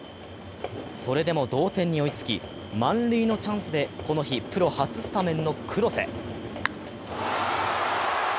それでも同点に追いつき、満塁のチャンスでこの日プロ初スタメンの黒瀬。